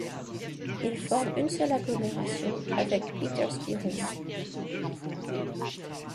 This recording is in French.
Il forme une seule agglomération avec Pietersbierum.